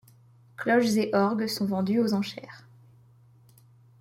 Cloches et orgues sont vendues aux enchères.